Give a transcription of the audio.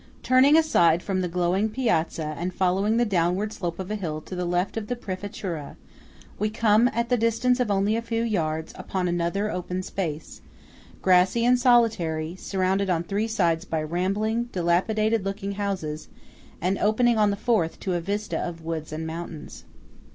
Turning aside from the glowing piazza and following the downward slope of a hill to the left of the Prefettura, we come, at the distance of only a few yards, upon another open space, grassy and solitary, surrounded on three sides by rambling, dilapidated looking houses, and opening on the fourth to a vista of woods and mountains.